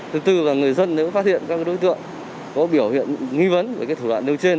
thứ tư là người dân nếu phát hiện các đối tượng có biểu hiện nghi vấn về thủ đoạn nêu trên